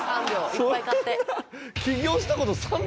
いっぱい買って。